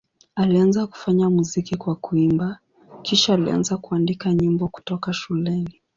Alianza kufanya muziki kwa kuimba, kisha alianza kuandika nyimbo kutoka shuleni.